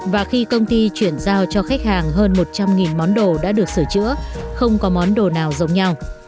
và khi công ty chuyển giao cho khách hàng hơn một trăm linh món đồ đã được sửa chữa không có món đồ nào giống nhau